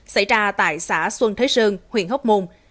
xảy ra tại xã xuân thế sơn huyện hóc môn